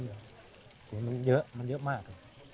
คุณมีเยอะมันเยอะมาก